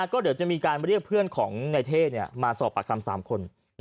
ก็เดี๋ยวจะมีการเรียกเพื่อนของนายเท่มาสอบปากคำ๓คน